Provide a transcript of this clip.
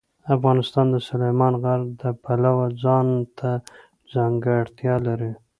افغانستان د سلیمان غر د پلوه ځانته ځانګړتیا لري.